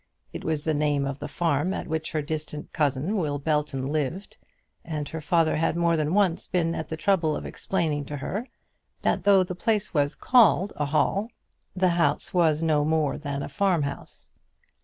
It was the name of the farm at which her distant cousin, Will Belton, lived, and her father had more than once been at the trouble of explaining to her, that though the place was called a hall, the house was no more than a farmhouse.